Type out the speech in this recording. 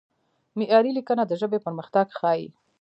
معیاري لیکنه د ژبې پرمختګ ښيي.